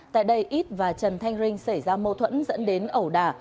tại đây ít và trần thanh rinh xảy ra mâu thuẫn dẫn đến ẩu đà